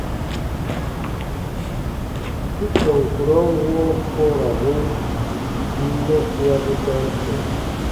Su tɔn kurɔn woo kɔ̃ɔrabun yinasiabu dam kɛ̃.